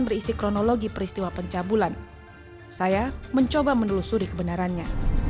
berisi kronologi peristiwa pencabulan saya mencoba menelusuri kebenarannya